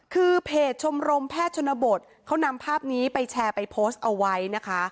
คือเพจชมรมแพทย์ชนบทเขานำภาพนี้ไปแชร์ไปโพสต์เอาไว้นะคะ